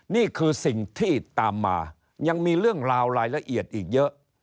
นี่คือสิ่งที่ตามมายังมีเรื่องราวรายละเอียดอีกเยอะ